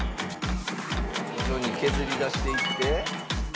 徐々に削り出していって。